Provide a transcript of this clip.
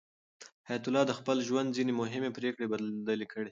حیات الله د خپل ژوند ځینې مهمې پرېکړې بدلې کړې.